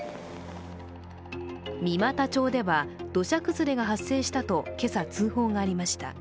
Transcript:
三股町では土砂崩れが発生したと、今朝、通報がありました。